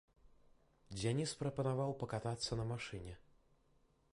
Дзяніс прапанаваў пакатацца на машыне.